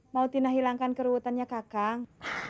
mau tina hilangkan keruutannya kakang